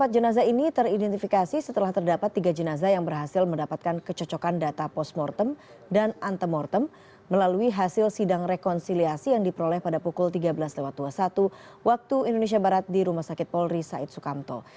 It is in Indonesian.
empat jenazah ini teridentifikasi setelah terdapat tiga jenazah yang berhasil mendapatkan kecocokan data postmortem dan antemortem melalui hasil sidang rekonsiliasi yang diperoleh pada pukul tiga belas dua puluh satu waktu indonesia barat di rumah sakit polri said sukamto